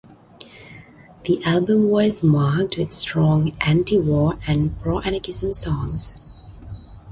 The album was marked with strong anti-war and pro-anarchism songs.